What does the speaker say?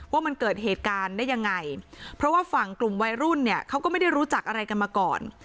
ว่ามันเกิดเหตุการณ์ได้ยังไงเพราะว่าฝั่งกลุ่มวัยรุ่นเนี่ยเขาก็ไม่ได้รู้จักอะไรกันมาก่อน